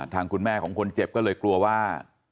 ทางคุณแม่ของคนเจ็บก็เลยกลัวว่า